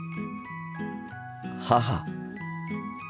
母。